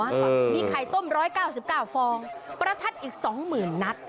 มีไข่ต้ม๑๙๙ฟองประทัดอีก๒๐๐๐นัด